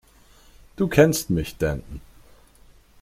Du kennst mich, Danton.